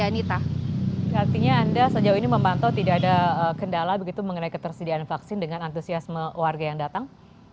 artinya anda sejauh ini memantau tidak ada kendala begitu mengenai ketersediaan vaksin dengan antusiasme warga yang datang